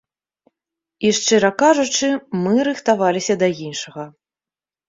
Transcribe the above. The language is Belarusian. І шчыра кажучы, мы рыхтаваліся да іншага.